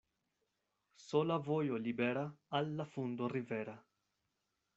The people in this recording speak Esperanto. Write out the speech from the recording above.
Sola vojo libera al la fundo rivera.